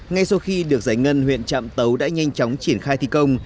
ngay sau khi được giải ngân huyện trạm tấu đã nhanh chóng triển khai thi công